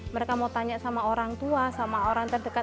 mereka mau tanya sama orang tua sama orang terdekat